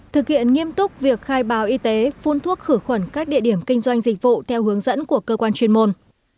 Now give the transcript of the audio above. thực hiện nghiêm túc việc khai báo y tế phun thuốc khử khuẩn các địa điểm kinh doanh dịch vụ theo hướng dẫn của cơ quan chuyên môn